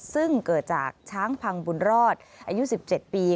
ซึ่งเกิดจากช้างพังบุญรอดอายุ๑๗ปี